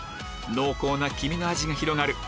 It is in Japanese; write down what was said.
濃厚な黄身の味が広がる